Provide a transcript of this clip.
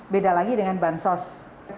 beda lagi dengan bantuan sosial